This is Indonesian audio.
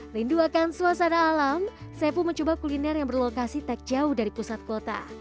rindu akan suasana alam saya pun mencoba kuliner yang berlokasi tak jauh dari pusat kota